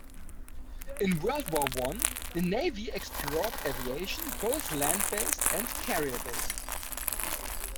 In World War One the Navy explored aviation, both land-based and carrier based.